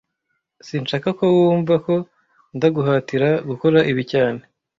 Sinshaka ko wumva ko ndaguhatira gukora ibi cyane